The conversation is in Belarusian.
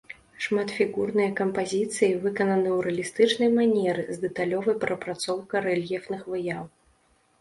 Шматфігурныя кампазіцыі выкананы ў рэалістычнай манеры, з дэталёвай прапрацоўкай рэльефных выяў.